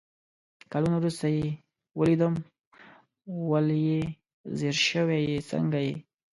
کالونه ورورسته يې ويلدم ول يې ځير شوي يې ، څنګه يې ؟